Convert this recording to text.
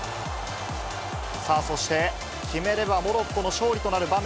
そして、決めればモロッコの勝利となる場面。